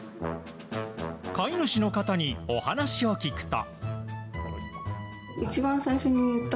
飼い主の方にお話を聞くと。